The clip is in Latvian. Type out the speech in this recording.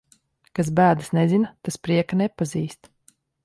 Kas bēdas nezina, tas prieka nepazīst.